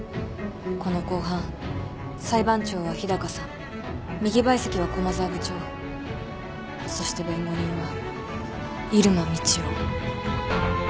この公判裁判長は日高さん右陪席は駒沢部長そして弁護人は入間みちお。